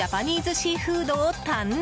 シーフードを堪能！